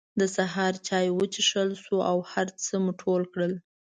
د سهار چای وڅکل شو او هر څه مو ټول کړل.